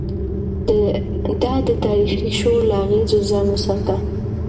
ده د تاريخي شور له اغېزو ځان وساته.